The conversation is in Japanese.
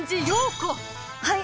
はい！